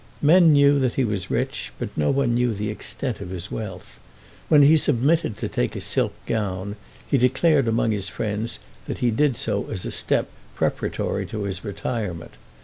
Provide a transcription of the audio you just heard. Men knew that he was rich, but no one knew the extent of his wealth. When he submitted to take a silk gown, he declared among his friends that he did so as a step preparatory to his retirement.